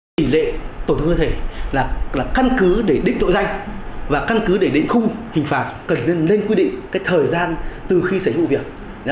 tỷ lệ tổ chức cơ thể là căn cứ để đích tội danh và căn cứ để đếnh khung hình phạt cần nên lên quy định cái thời gian từ khi xảy ra vụ việc